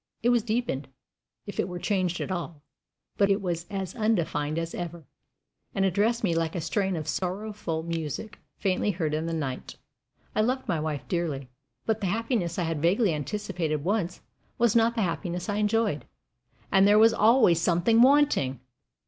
It was deepened, if it were changed at all; but it was as undefined as ever, and addressed me like a strain of sorrowful music faintly heard in the night. I loved my wife dearly; but the happiness I had vaguely anticipated, once, was not the happiness I enjoyed, AND THERE WAS ALWAYS SOMETHING WANTING.